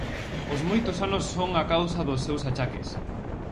Os moitos anos son a causa dos seus achaques.